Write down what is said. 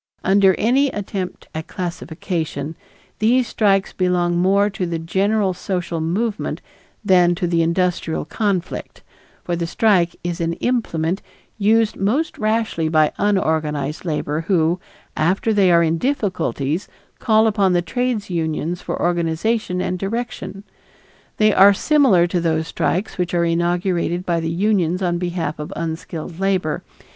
Under any attempt at classification these strikes belong more to the general social movement than to the industrial conflict, for the strike is an implement used most rashly by unorganized labor who, after they are in difficulties, call upon the trades unions for organization and direction. They are similar to those strikes which are inaugurated by the unions on behalf of unskilled labor.